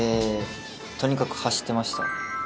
とにかく走ってました。